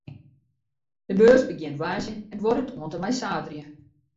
De beurs begjint woansdei en duorret oant en mei saterdei.